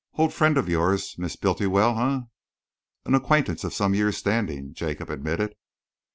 "Old friend of yours, Miss Bultiwell, eh?" "An acquaintance of some years' standing," Jacob admitted.